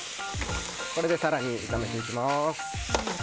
これで更に炒めていきます。